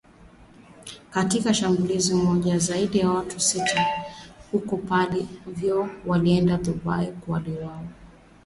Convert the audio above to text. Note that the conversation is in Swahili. Katika shambulizi moja, zaidi ya watu sitini huko Plaine Savo kwenye eneo la Djubu waliuawa